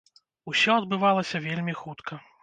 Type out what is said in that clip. Усё адбывалася вельмі хутка.